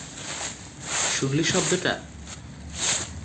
শুনলি শব্দ টা?